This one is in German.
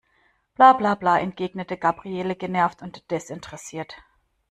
Bla bla bla, entgegnete Gabriele genervt und desinteressiert.